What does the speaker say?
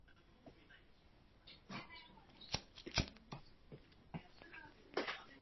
Most singings are held in the Dayton-Harrisonburg area of Virginia.